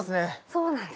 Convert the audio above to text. そうなんです。